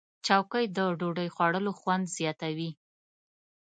چوکۍ د ډوډۍ خوړلو خوند زیاتوي.